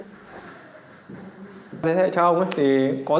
thế thẻ cho ông